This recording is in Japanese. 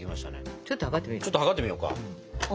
ちょっと測ってみようか。